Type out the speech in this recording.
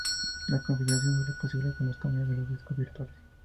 La configuración sólo es posible con el tamaño de los discos virtuales.